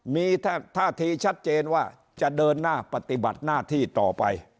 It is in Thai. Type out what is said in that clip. มีท่าทีชัดเจนว่าจะเดินหน้าปฏิบัติหน้าที่ต่อไป